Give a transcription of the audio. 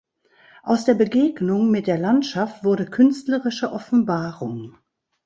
Aus der Begegnung mit der Landschaft wurde künstlerische Offenbarung.